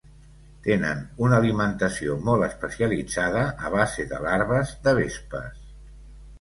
Tenen una alimentació molt especialitzada a base de larves de vespes.